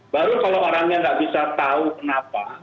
baru kalau orangnya nggak bisa tahu kenapa